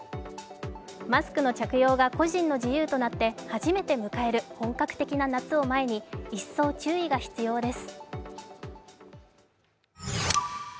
マスクの着用が個人の自由となって初めて迎える本格的な夏を前に一層注意が必要です。